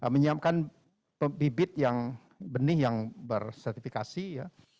menyiapkan bibit yang benih yang bersertifikasi ya